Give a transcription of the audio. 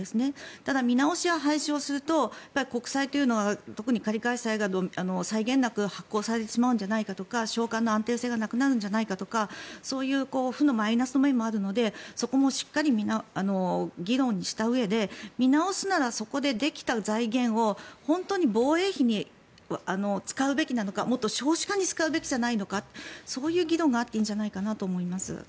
ただ見直し、廃止をすると国債は特に借換債が際限なく発行されてしまうんじゃないかとか償還の安定性がなくなるんじゃないかとかそういう負の面もあるのでそこもしっかり議論にしたうえで見直すならそこでできた財源を本当に防衛費に使うべきなのかもっと少子化に使うべきじゃないのかそういう議論があっていいんじゃないかと思います。